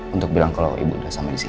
untuk bilang kalau ibu udah sama di sini